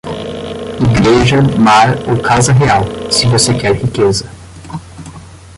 Igreja, mar ou casa real, se você quer riqueza.